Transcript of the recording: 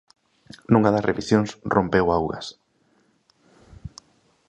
Nunha das revisións rompeu augas.